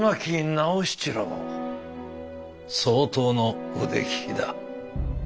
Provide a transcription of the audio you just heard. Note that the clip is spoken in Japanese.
直七郎相当の腕利きだ。